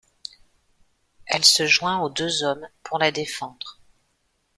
Elle se joint aux deux hommes pour la défendre.